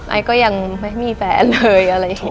ไอ้ก็ยังไม่มีแฟนเลย